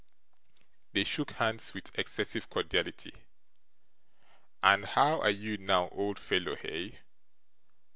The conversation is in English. They shook hands with excessive cordiality. 'And how are you now, old fellow, hey?